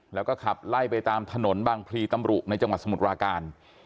แล้วก็ขับไล่ไปตามถนนบางพลีตำรุในจังหวัดสมุทรปราการ